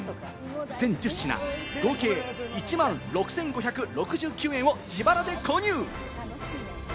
全１０品、合計１万６５６９円を自腹で購入。